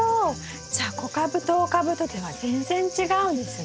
じゃあ小株と大株とでは全然違うんですね。